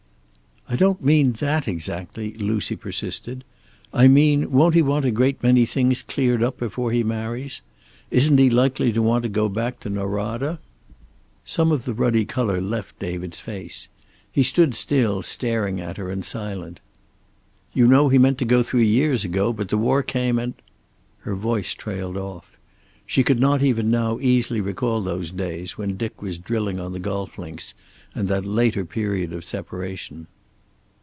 "I don't mean that, exactly," Lucy persisted. "I mean, won't he want a good many things cleared up before he marries? Isn't he likely to want to go back to Norada?" Some of the ruddy color left David's face. He stood still, staring at her and silent. "You know he meant to go three years ago, but the war came, and " Her voice trailed off. She could not even now easily recall those days when Dick was drilling on the golf links, and that later period of separation.